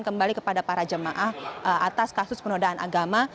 kembali kepada para jemaah atas kasus penodaan agama